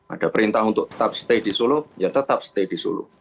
ada perintah untuk tetap stay di solo ya tetap stay di solo